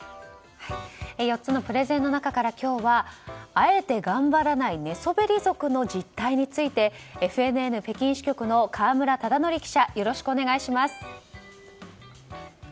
４つのプレゼンの中から今日はあえて頑張らない寝そべり族の実態についてＦＮＮ北京支局の河村忠徳記者よろしくお願いします。